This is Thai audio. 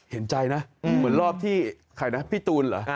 เห็นใจนะเหมือนรอบที่ใครนะพี่ตูนเหรอ